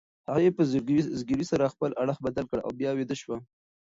هغې په زګیروي سره خپل اړخ بدل کړ او بیا ویده شوه.